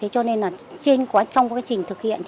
cho nên trong quá trình thực hiện